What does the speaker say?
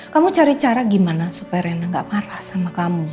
kamu cari cara gimana supaya rena gak parah sama kamu